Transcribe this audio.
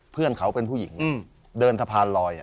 เพื่อนเขาเป็นผู้หญิงเดินสะพานลอย